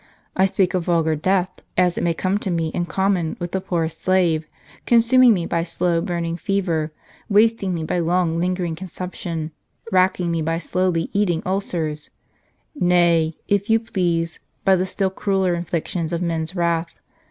I speak of vulgar death, as it may come to me in common with the poorest slave ; consuming me by slow burning fever, wasting me by long lingering consumption, racking me by slowly eating ulcers ; nay, if you please, by the still crueller inflictions of men's wrath.